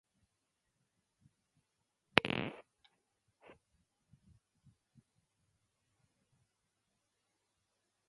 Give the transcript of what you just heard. This can lead to improved behavior and fewer incidents of trouble.